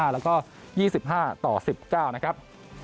๒๕๑๘๒๕๑๘๒๓๒๕แล้วก็๒๕๑๙นะครับ